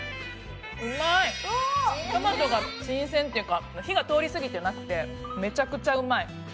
トマトが新鮮というか、火が通り過ぎてなくてめちゃくちゃうまい。